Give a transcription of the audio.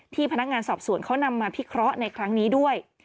พนักงานสอบสวนเขานำมาพิเคราะห์ในครั้งนี้ด้วย